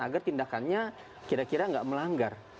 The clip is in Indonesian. agar tindakannya kira kira nggak melanggar